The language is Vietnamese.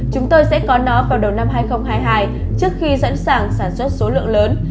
chúng tôi sẽ có nó vào đầu năm hai nghìn hai mươi hai trước khi dẫn sản xuất số lượng lớn